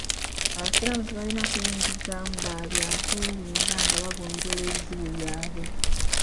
Abasiraamu tebalina kuyingizaamu babyakwerinda nga bagonjoola ebizibu byabwe.